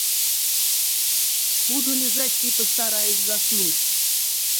Буду лежать и постараюсь заснуть.